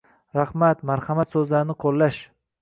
"Rahmat", "Marhamat" so‘zlarini qo‘llash